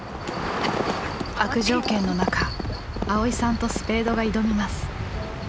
悪条件の中蒼依さんとスペードが挑みます。